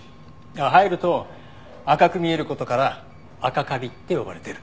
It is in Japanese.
生えると赤く見える事からアカカビって呼ばれてる。